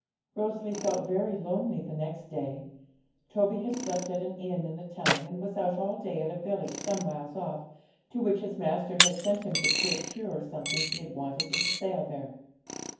Rosalie felt very lonely the next day. Toby had slept at an inn in the town, and was out all day at a village some miles off, to which his master had sent him to procure something he wanted at a sale there.